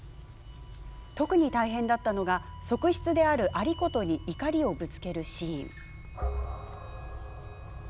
特に大変だったのが側室である有功に怒りをぶつけるシーン。